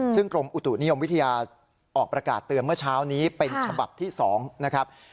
ซึ่งกรมอุตุนิยมวิทยาออกประกาศเตือนเมื่อเช้านี้เป็นฉบับที่๒นะครับ